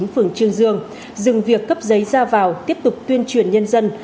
phường trương dương việc cấp giấy ra vào tiếp tục tuyên truyền nhân dân